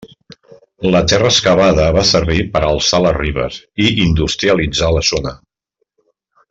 La terra excavada va servir per a alçar les ribes i industrialitzar la zona.